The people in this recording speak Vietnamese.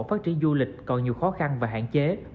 phát triển du lịch còn nhiều khó khăn và hạn chế